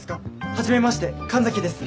初めまして神崎です。